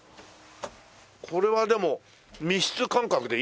これはでも密室感覚でいいねこれね。